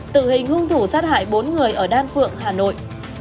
tử hình hung thủ sát hại bốn người ở đan phượng hà nội